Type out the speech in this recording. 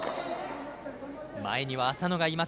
前には麻野がいます